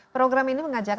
program ini mengajak